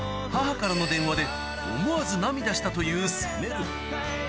母からの電話で思わず涙したというせめる。